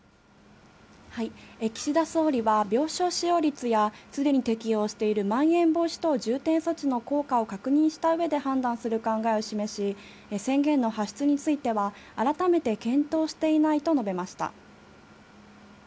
岸田総理は、病床使用率やすでに適用しているまん延防止等重点措置の効果を確認したうえで判断する考えを示し、宣言の発出については、改めて検討していないと述べました。